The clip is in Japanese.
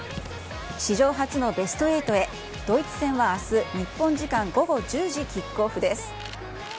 史上初のベスト８へ、ドイツ戦はあす、日本時間午後１０時キックオフです。